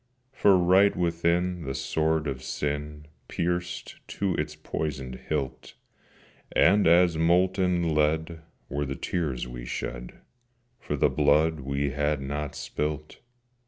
For, right within, the sword of Sin Pierced to its poisoned hilt, And as molten lead were the tears we shed For the blood we had not spilt.